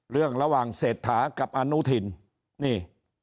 เรื่องระหว่างเศรษฐากับอนุทินนี่